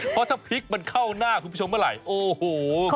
เพราะถ้าพริกมันเข้าหน้าคุณผู้ชมเมื่อไหร่โอ้โห